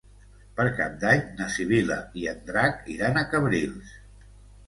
Per Cap d'Any na Sibil·la i en Drac iran a Cabrils.